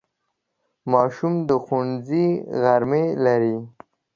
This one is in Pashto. ماشوم د ښوونځي غرمې لري.